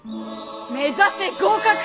目指せ合格！